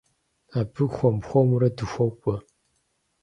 Абы хуэм-хуэмурэ дыхуокӏуэ.